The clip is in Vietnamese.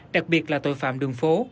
đặc biệt là tội phạm đường phố